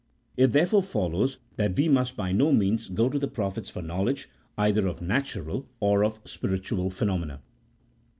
It therefore follows that we must by no means go to the prophets for knowledge, either of natural or of spiritual phenomena.